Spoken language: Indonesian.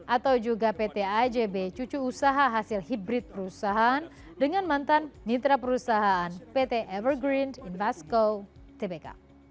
atau juga pt ajb cucu usaha hasil hibrid perusahaan dengan mantan mitra perusahaan pt evergreen invasco tbk